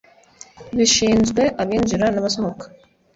bishinzwe Abinjira n Abasohoka